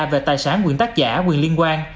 về tài sản quyền tác giả quyền liên quan